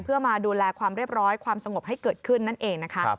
เพื่อมาดูแลความเรียบร้อยความสงบให้เกิดขึ้นนั่นเองนะคะ